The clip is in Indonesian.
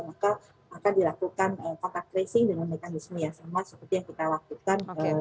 maka akan dilakukan kontak tracing dengan mekanisme yang sama seperti yang kita lakukan dengan kasus dari jakarta